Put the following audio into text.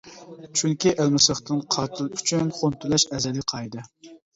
چۈنكى ئەلمىساقتىن قاتىل ئۈچۈن خۇن تۆلەش ئەزەلىي قائىدە.